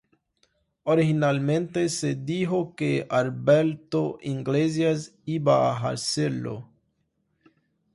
Originalmente se dijo que Alberto Iglesias iba a hacerlo.